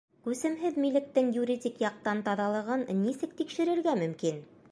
Күсемһеҙ милектең юридик яҡтан «таҙалығы»н нисек тикшерергә мөмкин?